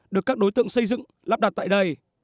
được các đối tượng xây dựng lắp đặt tại đây